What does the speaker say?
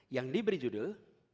yang diberi judul